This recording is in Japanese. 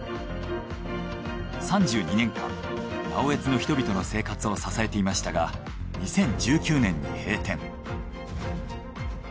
３２年間直江津の人々の生活を支えていましたが２０１９年に閉店。